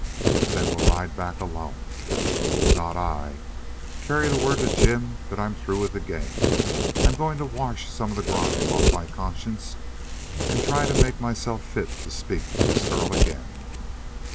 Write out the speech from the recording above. "Then we'll ride back alone." "Not I. Carry the word to Jim that I'm through with the game. I'm going to wash some of the grime off my conscience and try to make myself fit to speak to this girl again."